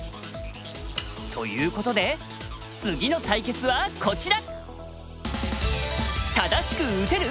ということで次の対決はこちら！